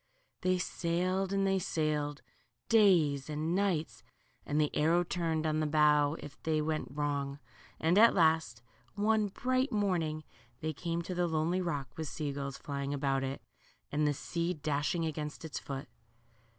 They sailed and they sailed, days and nights, and the arrow turned on the bow if they went , wrong, and at last, one bright morning, they came to the lonely rock, with sea gulls flying about it, and the sea dashing against its foot.